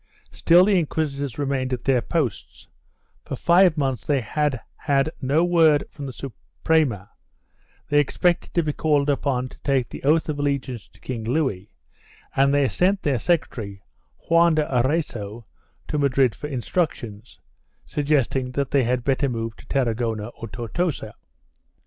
2 Still the inquisitors remained at their posts; for five months they had had no word from the Suprema; they expected to be called upon to take the oath of allegiance to King Louis and they sent their secretary, Juan de Eraso, to Madrid for instructions, sug gesting that they had better move to Tarragona or Tortosa.